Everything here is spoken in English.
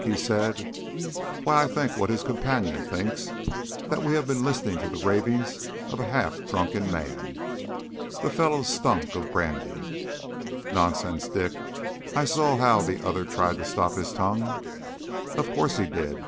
he said; "why, I think what his companion thinks, that we have been listening to the ravings of a half drunken man. The fellow stunk of brandy." "Nonsense, Dick I you saw how the other tried to stop his tongue." "Of course he did.